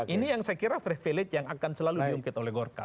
ini yang saya kira privilege yang akan selalu diungkit oleh golkar